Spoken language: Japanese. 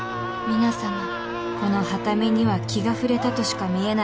皆様このはた目には気が触れたとしか見えない